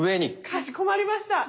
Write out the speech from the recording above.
かしこまりました。